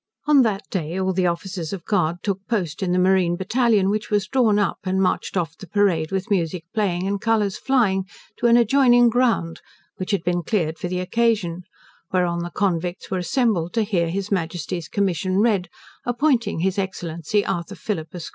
On that day all the officers of guard took post in the marine battalion, which was drawn up, and marched off the parade with music playing, and colours flying, to an adjoining ground, which had been cleared for the occasion, whereon the convicts were assembled to hear His Majesty's commission read, appointing his Excellency Arthur Phillip, Esq.